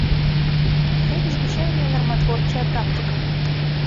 Гэта звычайная нарматворчая практыка.